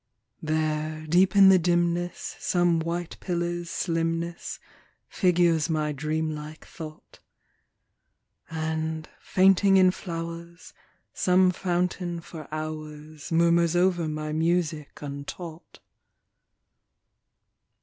There, deep in the dimness, Some white pillar's slimness Figures my dreamlike thought ; And, fainting in flowers, Some fountain for hours Murmurs over my music untaught.